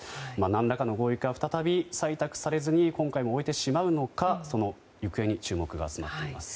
何らかの合意が再び採択されずに今回も終えてしまうのかその行方に注目が集まっています。